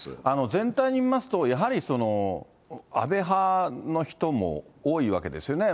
全体に見ますと、やはり安倍派の人も多いわけですよね。